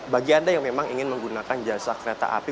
bagi anda yang memang ingin menggunakan jasa kereta api